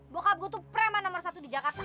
bokap gue tuh preman nomor satu di jakarta